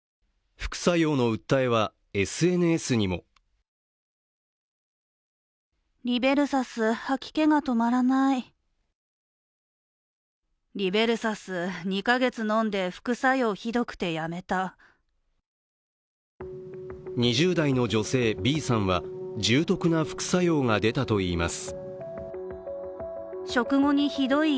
副作用の訴えはＳＮＳにも２０代女性、Ｂさんは重篤な副作用が出たといいます。